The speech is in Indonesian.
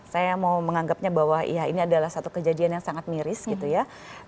saya mau menganggapnya bahwa ya ini adalah satu kejadian yang sangat miris gitu ya